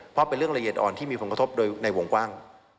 เพราะเป็นเรื่องละเอียดอ่อนที่มีผลกระทบโดยในวงกว้าง